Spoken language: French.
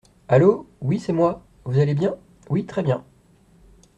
Allô, oui, c’est moi… vous allez bien… oui, très bien…